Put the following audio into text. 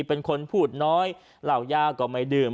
เป็นคนพูดน้อยเหล่ายาก็ไม่ดื่ม